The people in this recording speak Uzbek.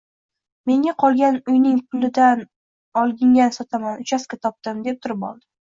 Menga qolgan uyning puligan olingan sotaman, uchastka topdim, deb turib oldi